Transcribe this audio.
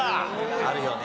あるよね